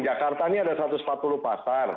jakarta ini ada satu ratus empat puluh pasar